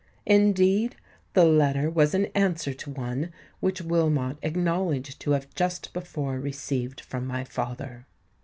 Indeed, the letter was in answer to one which Wilmot acknowledged to have just before received from my father.